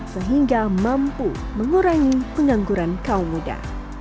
sehingga mampu mengurangi pengangguran kaum muda